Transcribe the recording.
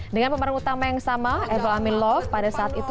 dengan pemerintah yang sama evil i'm in love pada saat itu